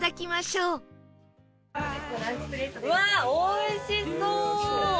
うわっおいしそう！